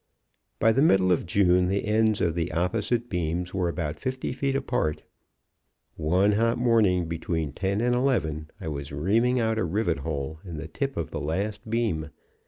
"By the middle of June the ends of the opposite beams were about fifty feet apart. "One hot morning, between ten and eleven, I was reaming out a rivet hole in the tip of the last beam.